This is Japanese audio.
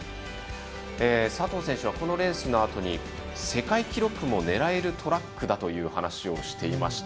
佐藤選手はこのレースのあとに世界記録も狙えるトラックだという話をしていました。